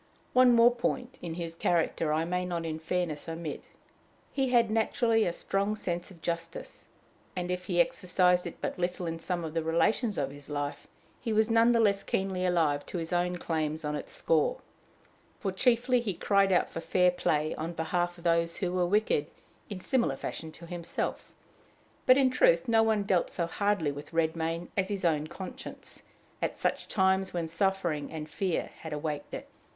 One more point in his character I may not in fairness omit: he had naturally a strong sense of justice; and, if he exercised it but little in some of the relations of his life, he was none the less keenly alive to his own claims on its score; for chiefly he cried out for fair play on behalf of those who were wicked in similar fashion to himself. But, in truth, no one dealt so hardly with Redmain as his own conscience at such times when suffering and fear had awaked it.